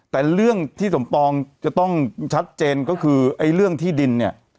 แต่เรื่องที่สมปองจะต้องชัดเจนก็คือไอ้เรื่องที่ดินเนี่ย